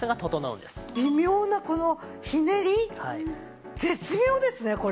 微妙なこのひねり絶妙ですねこれ。